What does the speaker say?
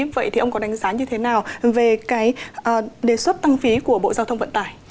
vậy thì ông có đánh giá như thế nào về cái đề xuất tăng phí của bộ giao thông vận tải